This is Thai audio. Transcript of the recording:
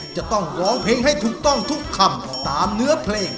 จะต้องร้องเพลงให้ถูกต้องทุกคำตามเนื้อเพลง